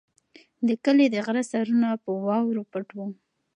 د کلي د غره سرونه په واورو پټ دي.